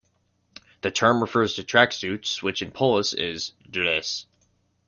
The term refers to tracksuits, which in Polish is "dres".